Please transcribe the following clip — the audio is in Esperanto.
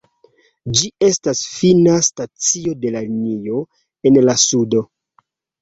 Ĝi estas fina stacio de la linio en la sudo.